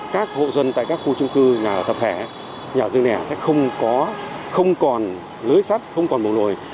các hộ dân tại các khu chung cư nhà thập thể nhà dân nhà sẽ không còn lưới sắt không còn bầu nồi